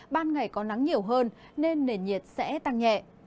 ban ngày có nắng nhiều hơn nên nền nhiệt sẽ tăng nhẹ